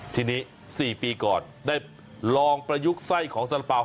ทีนี้๔ปีก่อนได้ลองประยุกต์ไส้ของสารเป๋า